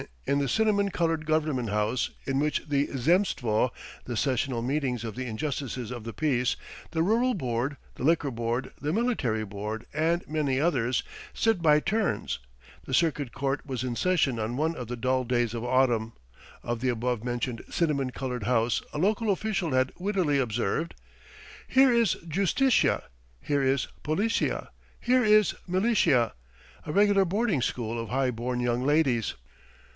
in the cinnamon coloured government house in which the Zemstvo, the sessional meetings of the justices of the peace, the Rural Board, the Liquor Board, the Military Board, and many others sit by turns, the Circuit Court was in session on one of the dull days of autumn. Of the above mentioned cinnamon coloured house a local official had wittily observed: "Here is Justitia, here is Policia, here is Militia a regular boarding school of high born young ladies."